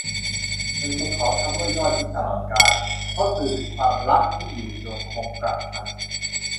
หนึ่งในของชำร่วยยอดฮิตตลอดกาล เพราะสื่อถึงความรักที่อยู่ยงคงกระพัน